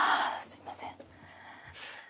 すいません。